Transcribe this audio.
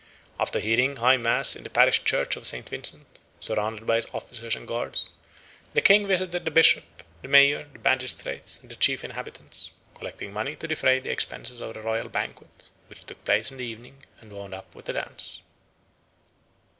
After hearing high mass in the parish church of St. Vincent, surrounded by his officers and guards, the King visited the bishop, the mayor, the magistrates, and the chief inhabitants, collecting money to defray the expenses of the royal banquet which took place in the evening and wound up with a dance.